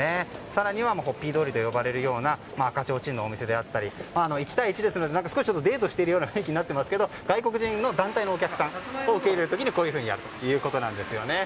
更にはホッピー通りと呼ばれるような赤ちょうちんのお店であったり１対１ですので少しデートしているような雰囲気になっていますが外国人の団体のお客さんを受け入れる時はこういう感じなんですよね。